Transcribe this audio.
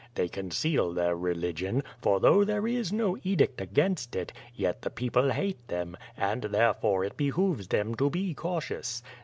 They conceal their religion, for though there is no edict against it, yet the people hate them, and therefore it behooves them to be cautious.